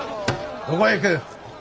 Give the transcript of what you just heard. どこへ行く？